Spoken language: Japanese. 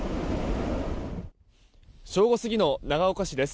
正午過ぎの長岡市です。